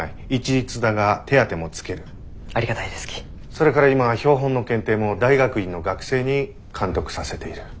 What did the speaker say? それから今は標本の検定も大学院の学生に監督させている。